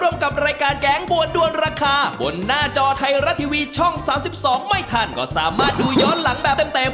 ไม่ทันก็สามารถดูย้อนหลังแบบเต็ม